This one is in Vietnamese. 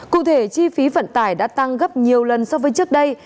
cụ thể chi phí vận tải đã tăng gấp nhiều lần so với trước đây